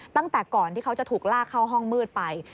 ตั้งแต่ก่อนที่เขาจะถูกลากเข้าห้องมืดไป